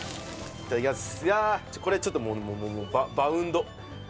いただきます